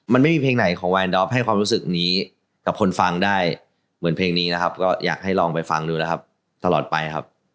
มันไม่มีเพลงไหนของแวนดอฟให้ความรู้สึกนี้กับคนฟังได้เหมือนเพลงนี้นะครับก็อยากให้ลองไปฟังดูนะครับตลอดไปครับ